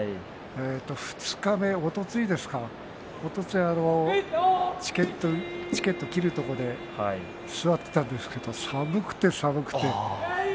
二日目、おとといはチケットを切るところで座っていたんですけど寒くて寒くて。